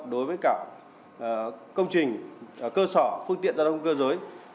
đối với cả công trình cơ sở phương tiện gia đông cơ giới